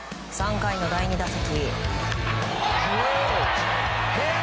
３回の第２打席。